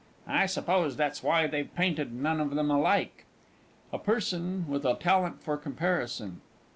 I suppose that's why they've painted none of them alike. A PERSON WITH A TALENT FOR COMPARISON.